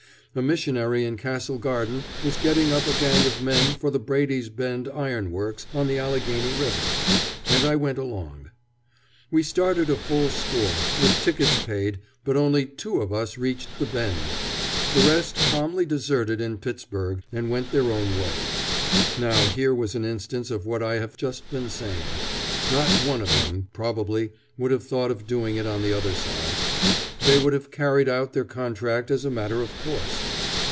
A missionary in Castle Garden was getting up a gang of men for the Brady's Bend Iron Works on the Allegheny River, and I went along. We started a full score, with tickets paid, but only two of us reached the Bend. The rest calmly deserted in Pittsburg and went their own way. Now here was an instance of what I have just been saying. Not one of them, probably, would have thought of doing it on the other side. They would have carried out their contract as a matter of course.